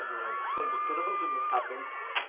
今度「トランプの壁」が。